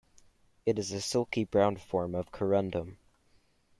It is a silky brown form of corundum.